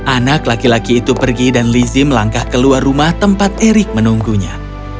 anak laki laki itu pergi dan lizzie melangkah keluar rumah tempat erick menunggunya